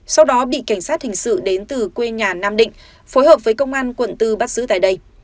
sau đó bị cảnh sát hình sự đến từ quê nhà nam định phối hợp với công an quận bốn bắt giữ tại đây